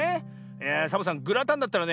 いやあサボさんグラタンだったらね